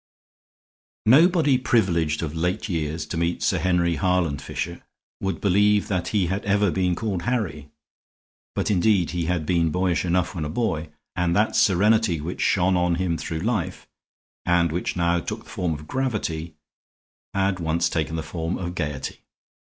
Nobody privileged of late years to meet Sir Henry Harland Fisher would believe that he had ever been called Harry. But, indeed, he had been boyish enough when a boy, and that serenity which shone on him through life, and which now took the form of gravity, had once taken the form of gayety.